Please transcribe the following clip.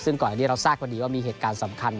ซึ่งก่อนอันนี้เราทราบพอดีว่ามีเหตุการณ์สำคัญ